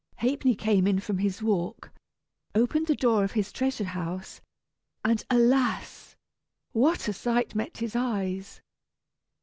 Ha'penny came in from his walk, opened the door of his treasure house and alas! what a sight met his eyes!